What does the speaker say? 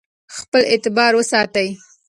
خپل اعتبار وساتئ.